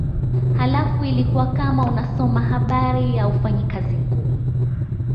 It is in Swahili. Halafu ilikuwa kama unasoma habari haufanyi kazi ngumu